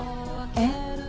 えっ？